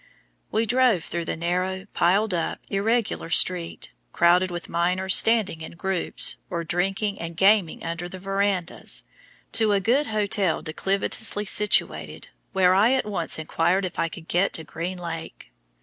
We drove through the narrow, piled up, irregular street, crowded with miners standing in groups, or drinking and gaming under the verandas, to a good hotel declivitously situated, where I at once inquired if I could get to Green Lake.